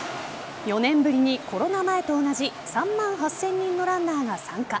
４年ぶりにコロナ前と同じ３万８０００人のランナーが参加。